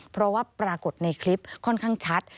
เพราะว่าปรากฏในคลิปค่อนข้างชัด